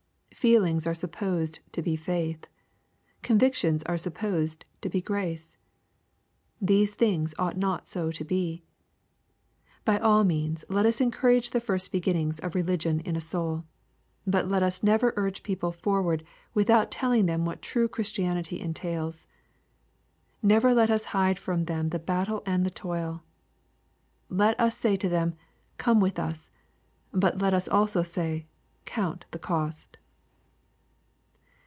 Feelings are supposed to be faith. Convictions are supposed to be grace. These things ought not so to be. By all means let us encourage the first beginnings of religion in a soul. But never let us urge people forward without telling them what true Christianity entails. Never let us hide from them the battle and the toil. Let us say to them " come with us," — but let us also say, " count the cost."